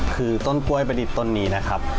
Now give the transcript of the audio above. คือต้นกล้วยประดิษฐ์ต้นนี้นะครับ